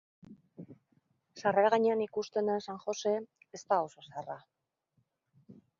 Sarrera gainean ikusten den San Jose ez da oso zaharra.